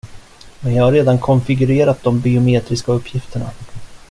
Men jag har redan konfigurerat de biometriska uppgifterna.